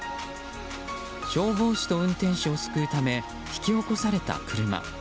消防士と運転手を救うため引き起こされた車。